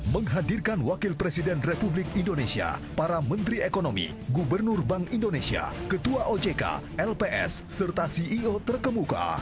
menghadirkan wakil presiden republik indonesia para menteri ekonomi gubernur bank indonesia ketua ojk lps serta ceo terkemuka